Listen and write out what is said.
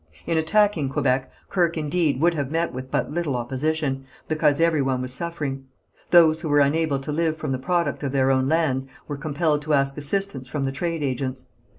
In attacking Quebec Kirke, indeed, would have met with but little opposition, because every one was suffering. Those who were unable to live from the product of their own lands were compelled to ask assistance from the trade agents.